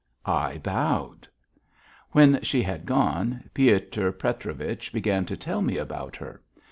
I bowed. When she had gone Piotr Petrovich began to tell me about her.